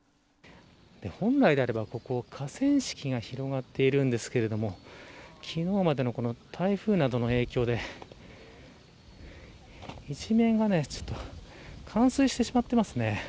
本来であれば、ここ河川敷が広がっているんですけれども昨日までの台風などの影響で一面が冠水してしまっていますね。